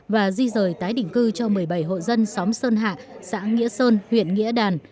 và di rời tái định cư cho một mươi bảy hộ dân xóm sơn hạ xã nghĩa sơn huyện nghĩa đàn